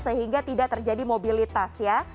sehingga tidak terjadi mobilitas ya